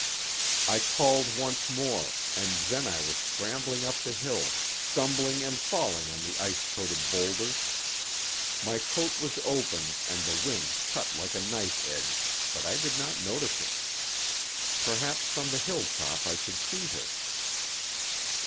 I called once more, and then I was scrambling up the hill, stumbling and falling on the ice coated boulders. My coat was open, and the wind cut like a knife edge, but I did not notice it. Perhaps from the hill top I should see her.